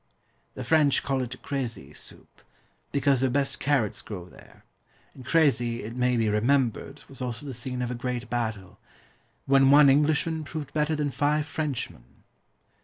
The French call it "CRÉCY" soup, because their best carrots grow there; and Crécy it may be remembered was also the scene of a great battle, when one Englishman proved better than five Frenchmen.